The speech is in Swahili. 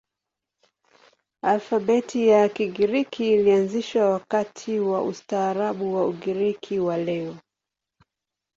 Alfabeti ya Kigiriki ilianzishwa wakati wa ustaarabu wa Ugiriki wa leo.